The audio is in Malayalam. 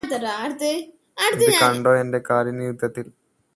ഇത് കണ്ടോ എന്റെ കാലിന് യുദ്ധത്തില്